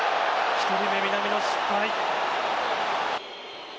１人目、南野、失敗。